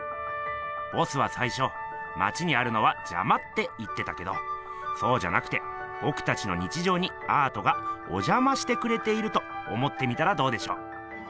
ボスは最初まちにあるのはじゃまって言ってたけどそうじゃなくてぼくたちの日常にアートがおじゃましてくれていると思ってみたらどうでしょう？